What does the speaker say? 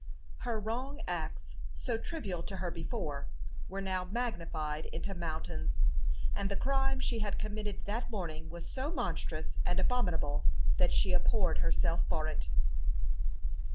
Her wrong acts, so trivial to her before, were now magnified into mountains, and the crime she had committed that morning was so monstrous and abominable that she abhorred herself for it.